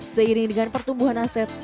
seiring dengan pertumbuhan aset